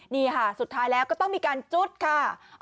นี่ค่ะสุดท้ายแล้วก็ต้องมีการจุดค่ะ